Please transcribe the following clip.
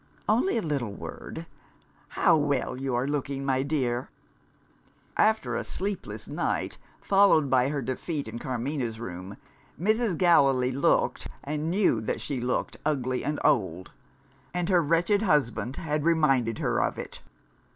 "Only a little word. How well you're looking, my dear!" After a sleepless night, followed by her defeat in Carmina's room, Mrs. Gallilee looked, and knew that she looked, ugly and old. And her wretched husband had reminded her of it.